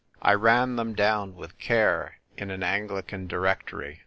I ran them down with care in an Anglican Directory.